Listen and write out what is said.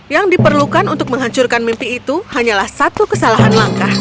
yang diperlukan untuk menghancurkan mimpi itu hanyalah satu kesalahan langkah